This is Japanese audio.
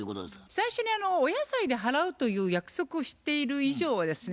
最初にお野菜で払うという約束をしている以上はですね